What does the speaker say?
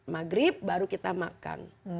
maghrib baru kita makan